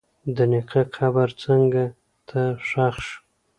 د نیکه قبر څنګ ته ښخ شو.